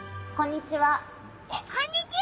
こんにちは！